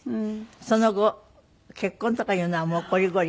その後結婚とかいうのはもうこりごり？